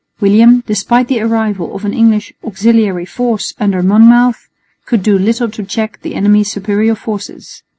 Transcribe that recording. William, despite the arrival of an English auxiliary force under Monmouth, could do little to check the enemy's superior forces.